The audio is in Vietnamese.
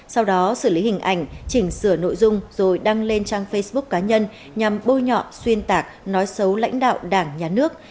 sau đó xử lý hình ảnh chỉnh sửa nội dung rồi đăng lên trang facebook cá nhân nhằm bôi nhọ xuyên tạc nói xấu lãnh đạo đảng nhà nước